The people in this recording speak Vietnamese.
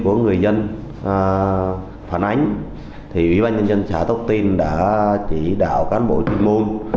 ủy ban nhân dân xã tóc tiên đã chỉ đạo cán bộ chuyên môn